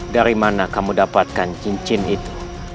dari mana kamu dapatkan cincin itu